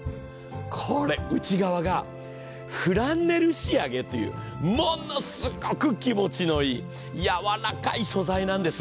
これ、内側がフランネル仕上げという、ものすごく気持ちのいい、やわらかい素材なんです。